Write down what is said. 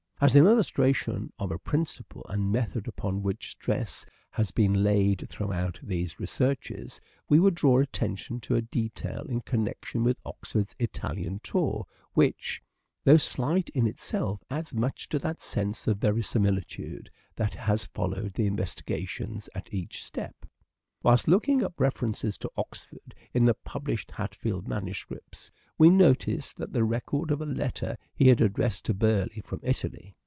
As an illustration of a principle and method upon Baptista which much stress has been laid throughout these researches we would draw attention to a detail in connection with Oxford's Italian tour which, though slight in itself, adds much to that sense of verisimilitude that has followed the investigations at each step. Whilst looking up references to Oxford in the published Hatfield manuscripts we noticed the record of a letter he had addressed to Burleigh from Italy.